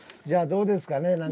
じゃあどうですかね？